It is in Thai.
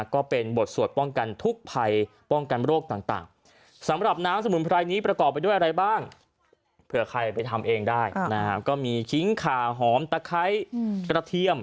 ก็เป็นบทสวดป้องกันทุกข์ภัยป้องกันโรคต่างสำหรับน้ำสมุนไพร